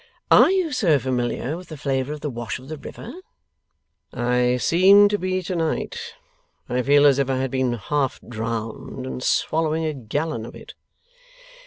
'Are you so familiar with the flavour of the wash of the river?' 'I seem to be to night. I feel as if I had been half drowned, and swallowing a gallon of it.